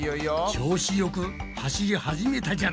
調子よく走り始めたじゃないか。